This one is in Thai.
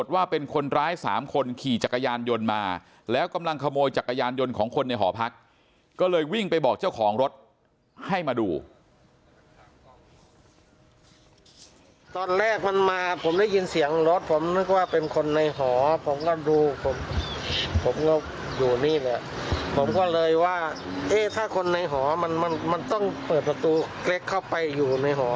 ว่าเอ๊ะถ้าคนในหอมันมันมันต้องเปิดประตูเกล็กเข้าไปอยู่ในหอ